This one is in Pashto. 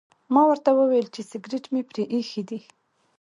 ما ورته وویل چې سګرټ مې پرې ایښي دي.